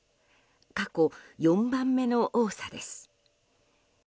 過去４番目の多さです。